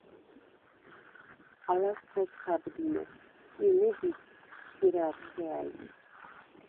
ალას ქორს ხა̈ბდინეხ ი მჷბიდს ჯგჷრა̄̈გთე ა̈ჲხ.